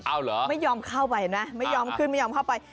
เอาเหรอไม่ยอมเข้าไปนะไม่ยอมขึ้นไม่ยอมเข้าไป